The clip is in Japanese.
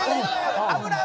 危ない！